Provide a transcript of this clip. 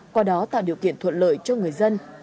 qua đó tạo điều kiện thuận lợi cho người dân